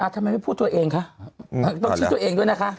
ทำไมไม่พูดตัวเองคะต้องชี้ตัวเองด้วยนะคะ